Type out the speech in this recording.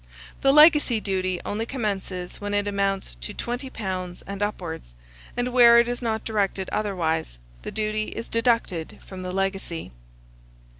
The legacy duty only commences when it amounts to £20 and upwards; and where it is not directed otherwise, the duty is deducted from the legacy.